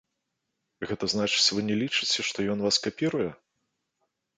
Гэта значыць, вы не лічыце, што ён вас капіруе?